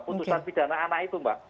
putusan pidana anak itu mbak